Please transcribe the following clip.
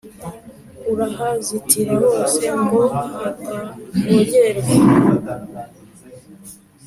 urahazitira hose ngo hatavogerwa